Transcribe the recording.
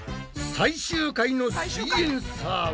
最終回の「すイエんサー」は？